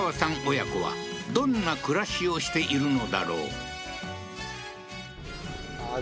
親子はどんな暮らしをしているのだろう？